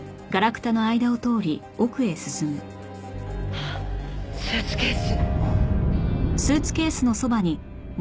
あっスーツケース。